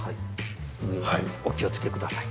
上お気を付け下さい。